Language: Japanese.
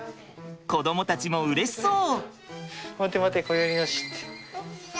子どもたちもうれしそう！